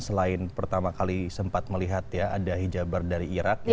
selain pertama kali sempat melihat ya ada hijaber dari irak